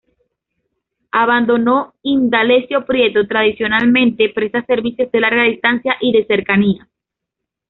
Abando Indalecio Prieto tradicionalmente presta servicios de Larga Distancia y de Cercanías.